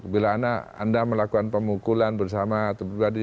bila anda melakukan pemukulan bersama atau pribadi